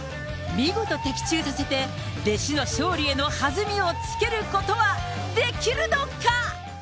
見事的中させて、弟子の勝利への弾みをつけることはできるのか。